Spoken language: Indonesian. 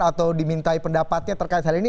atau dimintai pendapatnya terkait hal ini